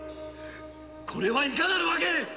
これはいかなる訳！